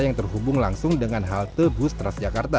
yang terhubung langsung dengan halte busway